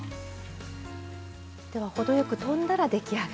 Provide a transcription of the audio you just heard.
では程よくとんだら出来上がり。